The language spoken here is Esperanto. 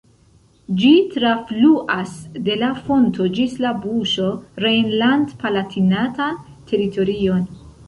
Ĝi trafluas de la fonto ĝis la buŝo rejnland-Palatinatan teritorion.